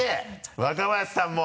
若林さんも。